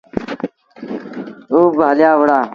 او با هليآ وُهڙآ۔